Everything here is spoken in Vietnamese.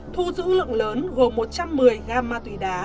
thu giữ lượng lớn gồm một trăm một mươi gram ma túy đá